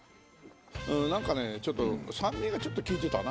なんかねちょっと酸味が利いてたな。